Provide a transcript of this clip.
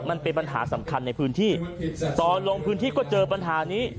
มันเป็นปัญหาสำคัญในพื้นที่ตอนลงพื้นที่ก็เจอปัญหานี้